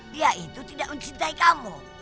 dia itu tidak mencintai kamu